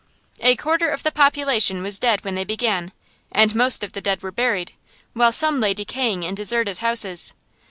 A quarter of the population was dead when they began, and most of the dead were buried, while some lay decaying in deserted houses.